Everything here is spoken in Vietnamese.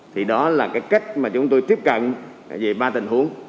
thì đó là cái cách mà chúng tôi tiếp cận về ba tình huống